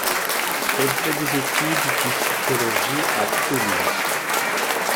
Elle fait des études de psychologie à Toulouse.